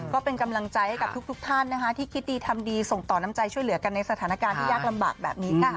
ก็เป็นกำลังใจให้กับทุกท่านนะคะที่คิดดีทำดีส่งต่อน้ำใจช่วยเหลือกันในสถานการณ์ที่ยากลำบากแบบนี้ค่ะ